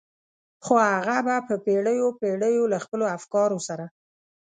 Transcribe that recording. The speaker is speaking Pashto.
خو هغه به په پېړيو پېړيو له خپلو افکارو سره.